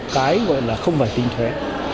cái gọi là không phải tinh thuế